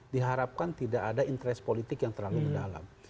diharapkan tidak ada interest politik yang terlalu mendalam